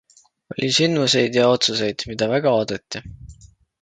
Oli sündmuseid ja otsuseid, mida väga oodati.